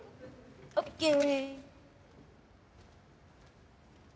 オッケー。